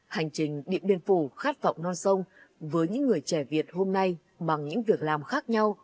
hành trình điện biên phủ khát vọng non sông với những người trẻ việt hôm nay bằng những việc làm khác nhau